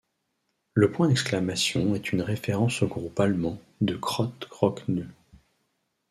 Le point d'exclamation est une référence au groupe allemand de Krautrock Neu!.